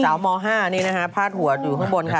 สาวม๕จริงนะครับผ้าหัวอยู่ข้างบนค่ะ